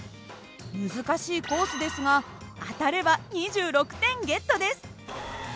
難しいコースですが当たれば２６点ゲットです。